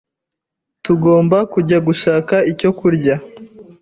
Tugomba kujya gushaka icyo kurya.